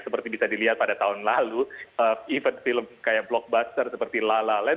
seperti bisa dilihat pada tahun lalu event film kayak blockbuster seperti la land